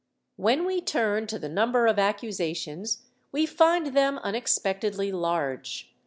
^ When we turn to the number of accusations we find them unex pectedly large.